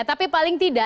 tapi paling tidak